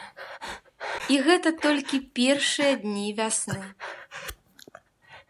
І гэта толькі першыя дні вясны.